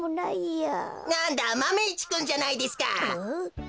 なんだマメ１くんじゃないですか。